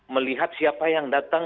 melihat siapa yang datang